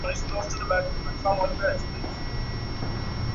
বৃহৎ রাজবাটিতে কোন কোলাহল নাই, চারিদিক নিস্তব্ধ।